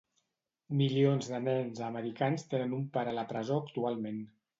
Milions de nens americans tenen un pare a la presó actualment.